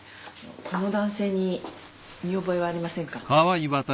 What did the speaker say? この男性に見覚えはありませんか？